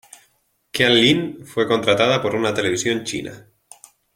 Qian Lin fue contratada por una televisión China.